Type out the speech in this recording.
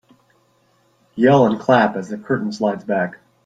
Yell and clap as the curtain slides back.